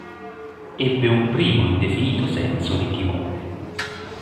Ebbe un primo indefinito senso di timore.